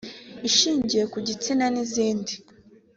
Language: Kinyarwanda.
ishingiye ku gitsina n’izindi